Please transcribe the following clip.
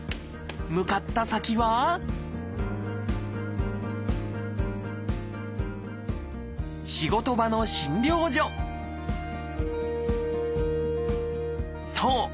向かった先は仕事場の診療所そう！